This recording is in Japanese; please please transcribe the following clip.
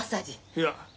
いや。